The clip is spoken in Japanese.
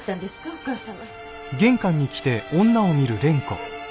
お義母様。